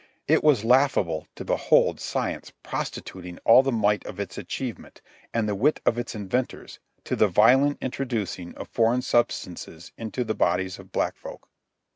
It was laughable to behold Science prostituting all the might of its achievement and the wit of its inventors to the violent introducing of foreign substances into the bodies of black folk.